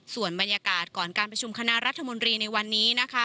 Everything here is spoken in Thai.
ส่วนบรรยากาศก่อนการประชุมคณะรัฐมนตรีในวันนี้นะคะ